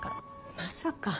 まさか。